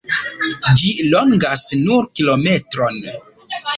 Ĝi longas nur kilometron.